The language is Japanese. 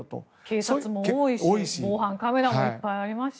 警察も多いし防犯カメラもいっぱいありますし。